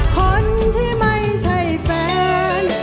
คนที่ไม่ใช่แฟน